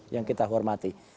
yang kita hormati